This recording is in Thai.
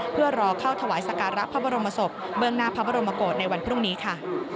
เพื่อรอเข้าถวายสการะพระบรมศพเบื้องหน้าพระบรมโกศในวันพรุ่งนี้ค่ะ